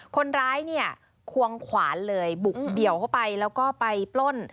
คนร้ายเนี่ยควงขวานเลยบุกเดี่ยวเข้าไปแล้วก็ไปปล้น